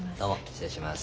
失礼します。